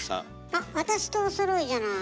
あっ私とおそろいじゃない。